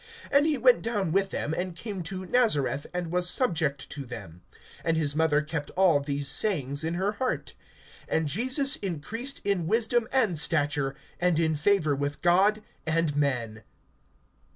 (51)And he went down with them, and came to Nazareth, and was subject to them. And his mother kept all these sayings in her heart. (52)And Jesus increased in wisdom and stature, and in favor with God and men.